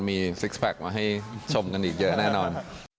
มีซิกแพคมาให้ชมกันอีกเยอะแน่นอน